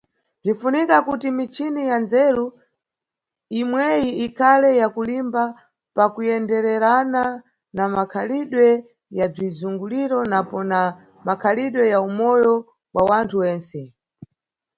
Bzinʼfunika kuti michini ya ndzeru imweyi ikhale ya kulimba pakuyenderana na makhalidwe ya bzizunguliro napo na makhalidwe ya umoyo bwa wanthu wentse.